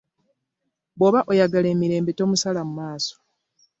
Bw'oba oyagala emirembe tomusala mu maaso.